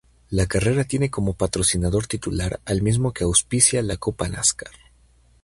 La carrera tiene como patrocinador titular al mismo que auspicia la Copa Nascar.